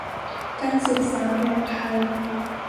การศึกษาแบบไทย